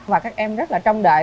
và các em rất là trong đời